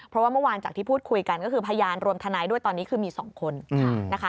เพราะว่าเมื่อวานจากที่พูดคุยกันก็คือพยานรวมทนายด้วยตอนนี้คือมี๒คนนะคะ